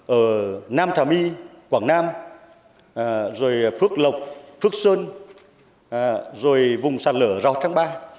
rồi nam thảo my quảng nam rồi phước lộc phước sơn rồi vùng sạt lửa rò trăng ba